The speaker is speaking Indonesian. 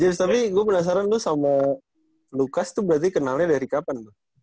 james tapi gue penasaran lu sama lucas tuh berarti kenalnya dari kapan